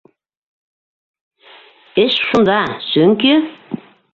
Эш шунда, сөнки...